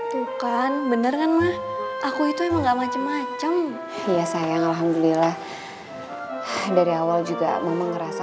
bukan bener kan mah aku itu enggak macem macem iya sayang alhamdulillah dari awal juga memang ngerasa